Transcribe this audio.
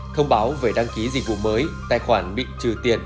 thông báo về đăng ký dịch vụ mới tài khoản bị trừ tiền